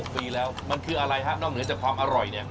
ปีแล้วมันคืออะไรฮะนอกเหนือจากความอร่อยเนี่ย